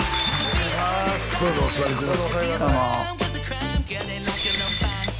どうぞお座りください